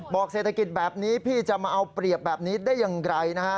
เศรษฐกิจแบบนี้พี่จะมาเอาเปรียบแบบนี้ได้อย่างไรนะฮะ